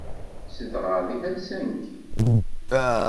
Zedɣeɣ deg Helsinki.